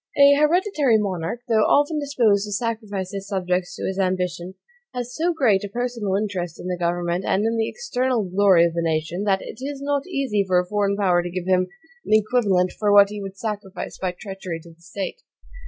An hereditary monarch, though often disposed to sacrifice his subjects to his ambition, has so great a personal interest in the government and in the external glory of the nation, that it is not easy for a foreign power to give him an equivalent for what he would sacrifice by treachery to the state.